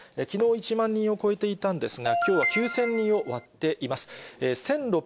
きのう１万人を超えていたんですが、きょうは９０００人を割っています。